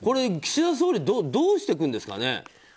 岸田総理、どうしていくんですか。